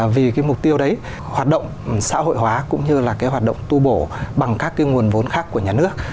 vì cái mục tiêu đấy hoạt động xã hội hóa cũng như là cái hoạt động tu bổ bằng các cái nguồn vốn khác của nhà nước